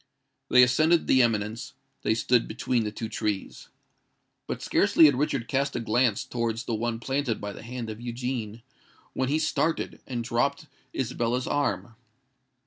They ascended the eminence: they stood between the two trees. But scarcely had Richard cast a glance towards the one planted by the hand of Eugene, when he started, and dropped Isabella's arm.